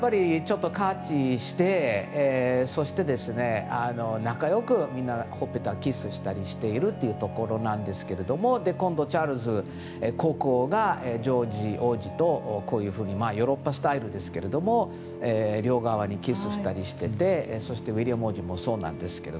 カーテシーして仲良くみんなほっぺたにキスしたりしているというところですが今度、チャールズ国王がジョージ王子とこういうふうにヨーロッパスタイルですが両側にキスしたりしていてウィリアム皇太子もそうなんですけど。